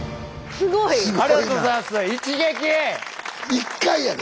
すごいな！